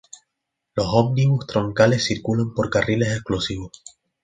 Los ómnibus troncales circulan por carriles exclusivos.